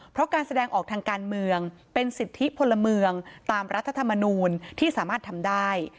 เพราะการแสดงออกทางการเมืองเป็นสิทธิพลเมืองตามรัฐธรรมนูลที่สามารถทำได้